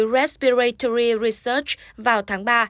respiratory research vào tháng ba